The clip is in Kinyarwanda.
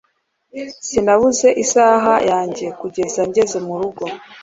Sinabuze isaha yanjye kugeza ngeze murugo